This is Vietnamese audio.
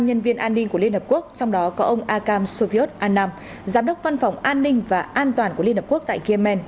nhân viên an ninh của liên hợp quốc trong đó có ông akam soviet anam giám đốc văn phòng an ninh và an toàn của liên hợp quốc tại yemen